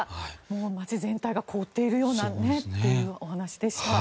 街全体が凍っているようなというお話でした。